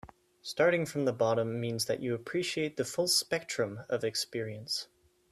Starting from the bottom means that you appreciate the full spectrum of experience.